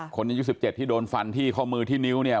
อายุ๑๗ที่โดนฟันที่ข้อมือที่นิ้วเนี่ย